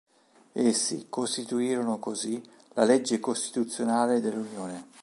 Essi costituirono così la legge costituzionale dell'Unione.